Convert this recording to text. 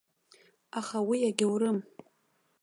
Аха уи агьаурым.